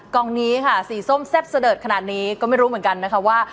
กองนี้ค่ะสีส้มแซ่บเสดิร์ดขนาดนี้ก็ไม่รู้เหมือนกันนะคะว่า